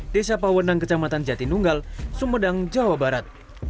desa pawenang kecamatan jatinunggal sumedang jawa barat